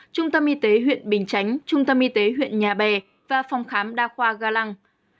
trung tâm y tế huyện bình chánh trung tâm y tế huyện nhà bè và phòng khám đa khoa ga lăng